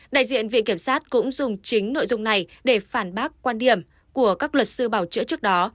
đại diện viện kiểm sát cũng dùng chính nội dung này để phản bác quan điểm của các luật sư bảo chữa trước đó